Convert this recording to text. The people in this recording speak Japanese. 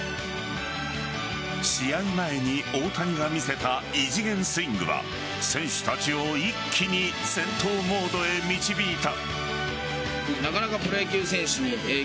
試合前に大谷が見せた異次元スイングは選手たちを一気に戦闘モードへ導いた。